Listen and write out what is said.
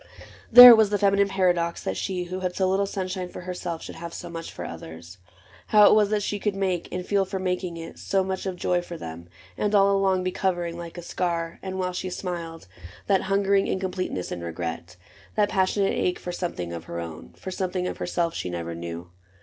There was the feminine paradox — that she Who had so little sunshine for herself Should have so much for others. How it was That she could make, and feel for making it. So much of joy for them, and all along Be covering, like a scar, the while she smiled. That hungering incompleteness and regret — That passionate ache for something of her own. For something of herself — she never knew.